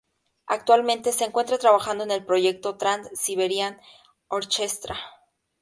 Actualmente se encuentra trabajando en el proyecto Trans-Siberian Orchestra.